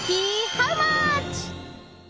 ハウマッチ！